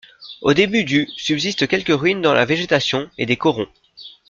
Au début du subsistent quelques ruines dans la végétation et des corons.